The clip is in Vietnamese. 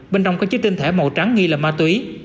bên trong có chứa tinh thể màu trắng nghi là ma túy